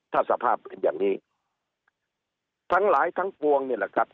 ถ้าสภาพเป็นอย่างนี้ทั้งหลายทั้งปวงนี่แหละครับ